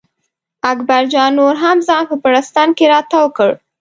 اکبر جان نور هم ځان په بړسټن کې را تاو کړ.